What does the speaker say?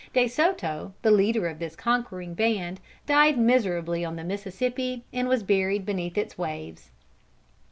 De Soto, the leader of this conquering band, died miserably on the Mississippi, and was buried beneath its waves.